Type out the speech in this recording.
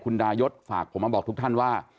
คุณดายศฝากผมมาบอกทุกท่านว่า